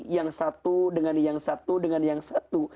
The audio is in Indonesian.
yang satu dengan yang satu dengan yang satu